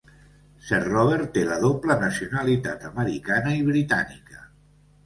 Sir Robert té la doble nacionalitat americana i britànica.